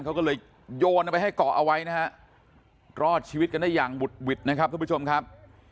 เขาก็เลยโยนเอาไปให้เกาะเอาไว้นะฮะรอดชีวิตกันได้อย่างบุดหวิดนะครับทุกผู้ชมครับ